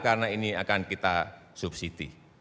karena ini akan kita subsidi